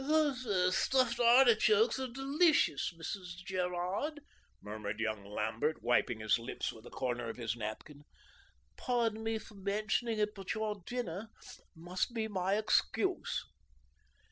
"These stuffed artichokes are delicious, Mrs. Gerard," murmured young Lambert, wiping his lips with a corner of his napkin. "Pardon me for mentioning it, but your dinner must be my excuse."